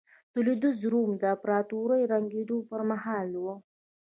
د لوېدیځ روم امپراتورۍ ړنګېدو پرمهال وه.